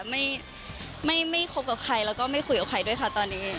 ไม่ไม่คบกับใครแล้วก็ไม่คุยกับใครด้วยค่ะตอนนี้